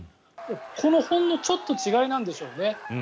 このほんのちょっとの違いなんでしょうね。